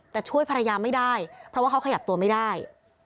แต่ช่วยภรรยาไม่ได้เพราะว่าเขาขยับตัวไม่ได้